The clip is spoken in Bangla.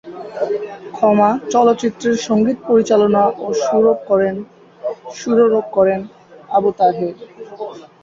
ক্ষমা চলচ্চিত্রের সঙ্গীত পরিচালনা ও সুরারোপ করেন আবু তাহের।